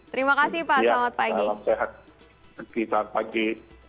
terima kasih pak selamat pagi